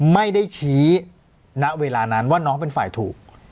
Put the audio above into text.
ไม่ได้ชี้ณเวลานั้นว่าน้องเป็นฝ่ายถูก